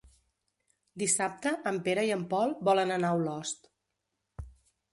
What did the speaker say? Dissabte en Pere i en Pol volen anar a Olost.